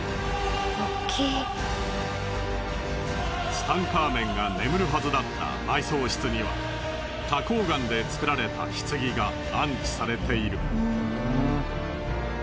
ツタンカーメンが眠るはずだった埋葬室には花崗岩で造られた棺が安置されている。